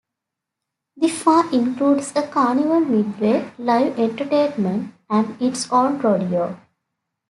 The fair includes a carnival midway, live entertainment, and its own rodeo.